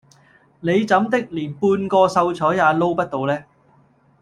你怎的連半個秀才也撈不到呢